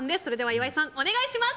岩井さん、お願いします！